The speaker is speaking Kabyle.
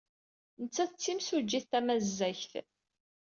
Nettat d timsujjit tamazzagt.